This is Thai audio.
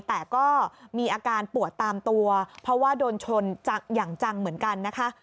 แต่ก็มีอาการปวดตามตัวเพราะว่าโดนชนอย่างจังเหมือนกันนะคะ